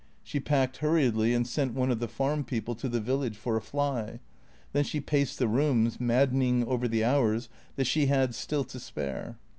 She packed hurriedly and sent one of the farm people to the village for a fly. Then she paced the room, maddening over the hours that she had still to spare.